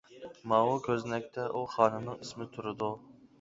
ماۋۇ كۆزنەكتە ئۇ خانىمنىڭ ئىسمى تۇرىدۇ.